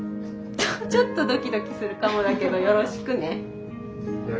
ちょっとドキドキするかもだけどよろしくね。